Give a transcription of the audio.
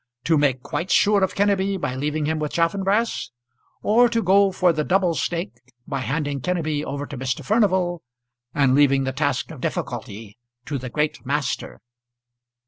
to make quite sure of Kenneby by leaving him with Chaffanbrass; or to go for the double stake by handing Kenneby over to Mr. Furnival and leaving the task of difficulty to the great master?